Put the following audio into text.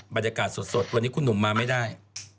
บรรยากาศสดวันนี้คุณหนุ่มมาไม่ได้